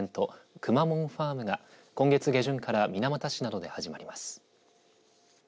くまモンファームが今月下旬から水俣市などで始まります。